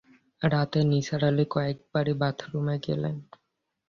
রাতে নিসার আলি কয়েকবারই বাথরুমে গেলেন।